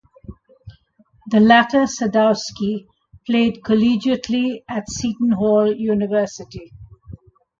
The latter Sadowski played collegiately at Seton Hall University.